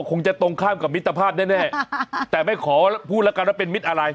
คงจะตรงข้ามกับมิตรภาพแน่แต่ไม่ขอพูดแล้วกันว่าเป็นมิตรอะไร